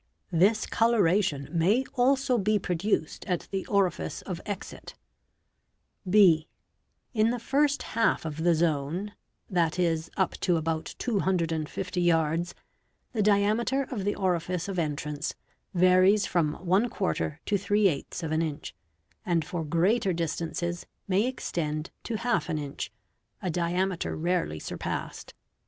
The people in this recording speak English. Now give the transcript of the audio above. This coloration may also be produced at the orifice of exit. (b) In the first half of the zone, i.e., up to about 250 yards, the diameter of the orifice of entrance varies from + to % inch, and for greater distances, may extend to } an inch, a diameter rarely surpassed.